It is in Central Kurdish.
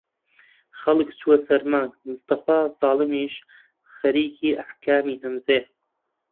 خەڵک چووە سەر مانگ مستەفا زەڵمیش خەریکی ئەحکامی هەمزیە